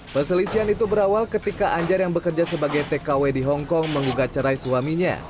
perselisihan itu berawal ketika anjar yang bekerja sebagai tkw di hongkong menggugat cerai suaminya